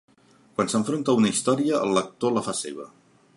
Quan s'enfronta a una història, el lector la fa seva.